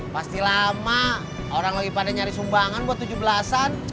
pasti lama orang lagi pada nyari sumbangan buat tujuh belas an